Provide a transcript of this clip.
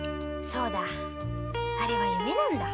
そうだあれは夢なんだ。